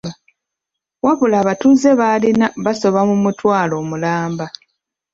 Wabula abatuuze b'alina basoba mu mutwalo omulamba.